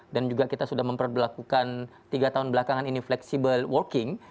dan juga kita sudah memperlakukan tiga tahun belakangan ini flexible working